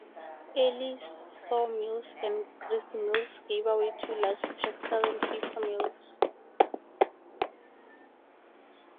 Early sawmills and gristmills gave way to large textile and paper mills.